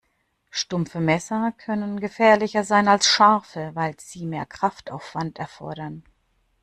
Stumpfe Messer können gefährlicher sein als scharfe, weil sie mehr Kraftaufwand erfordern.